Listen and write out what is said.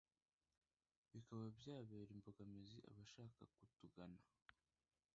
bikaba byabera imbogamizi abashaka kutugana